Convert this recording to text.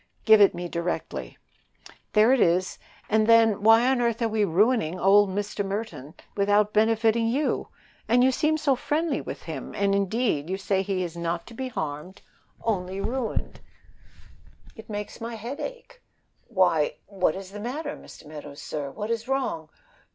"Give it me, directly." "There it is. And then, why on earth are we ruining old Mr. Merton without benefiting you? and you seem so friendly with him; and indeed, you say he is not to be harmed only ruined; it makes my head ache. Why, what is the matter, Mr. Meadows, sir? What is wrong?